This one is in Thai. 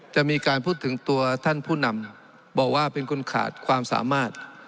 จะมีการพูดถึงตัวท่านผู้นำบอกว่าเป็นคนขาดความสามารถ